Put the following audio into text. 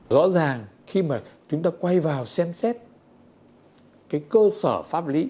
rõ ràng khi mà chúng ta quay vào xem xét cái cơ sở pháp lý